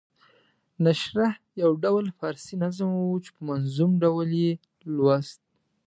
نشرح یو ډول فارسي نظم وو چې په منظوم ډول یې لوست.